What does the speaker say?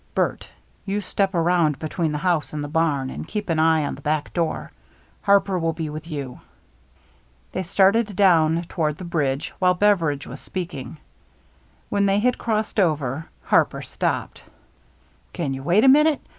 Bert, you step around between the X 521 322 THE MERRT ANNE house and the bam and keep an eye on the back door. Harper will be with you." They started down toward the bridge while Beveridge was speaking. When they had crossed over. Harper stopped. " Can you wait just a minute